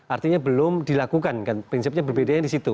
artinya belum dilakukan kan prinsipnya berbeda yang di situ